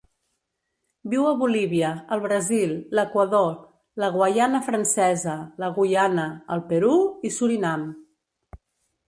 Viu a Bolívia, el Brasil, l'Equador, la Guaiana Francesa, la Guyana, el Perú i Surinam.